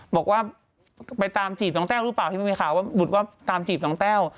บอกว่าไปตามจีบน้องแต้วหรือเปล่าที่มันมีข่าวว่าบุตรว่าตามจีบน้องแต้ว